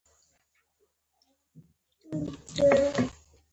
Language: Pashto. هغوی سره د مکتب درسونه تکرار کړو.